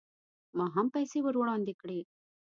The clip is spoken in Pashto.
ما هم پیسې ور وړاندې کړې.